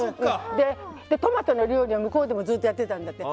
トマトの料理は向こうでもずっとやってたんだって。